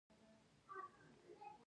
خلک د واکمنو پسې وخت بدلوي.